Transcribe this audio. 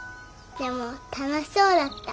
でも楽しそうだった。